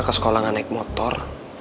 ke sekolah nggak naik motor